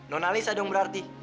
nona lisa dong berarti